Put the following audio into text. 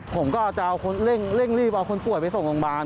ผมก็จะเอาคนเร่งรีบเอาคนป่วยไปส่งโรงพยาบาล